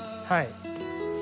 はい。